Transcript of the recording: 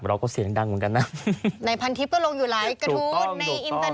เราก็เสียงดังเหมือนกันนะในพันทิพย์ก็ลงอยู่ไลค์กระทูด